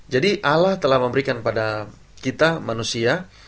jadi allah telah memberikan pada kita manusia